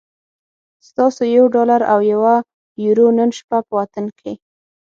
ستاسو یو ډالر او یوه یورو نن شپه په وطن کی